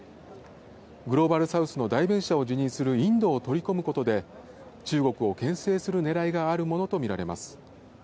グローバルサウスの代弁者を自任するインドを取り込むことで、中国をけん制する狙いがあるものとみられます。